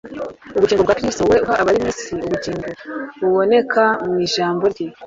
Ubugingo bwa Kristo we uha abari mu isi ubugingo, buboneka mu ijambo rye.